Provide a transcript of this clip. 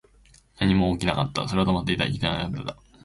何も起きなかった。それは止まっていた。生きていないようだった。